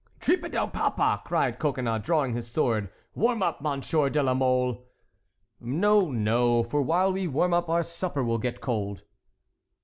"Trippe del papa!" cried Coconnas, drawing his sword; "warm up, Monsieur de la Mole." "No, no; for while we warm up, our supper will get cold."